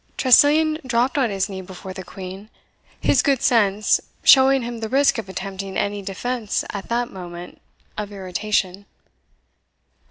Tressilian dropped on his knee before the Queen, his good sense showing him the risk of attempting any defence at that moment of irritation.